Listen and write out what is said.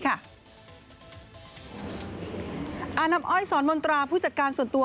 อาณับอ้อยศรมณตราผู้จัดการส่วนตัว